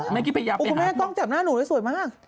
แม่งกี้พยายามไปหาอุ้ยคุณแม่ต้องจับหน้าหนูด้วยสวยมาก